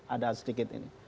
ada sedikit ini